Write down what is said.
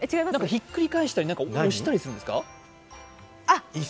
ひっくり返したり、押したりするんですか？